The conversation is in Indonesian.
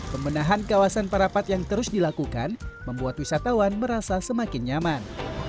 pemenahan kawasan parapat yang terus dilakukan membuat wisatawan merasa semakin nyaman